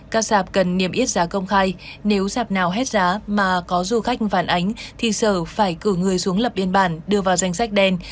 các sạp cần niềm yết giá công khai nếu dạp nào hết giá mà có du khách phản ánh thì sở phải cử người xuống lập biên bản đưa vào danh sách đen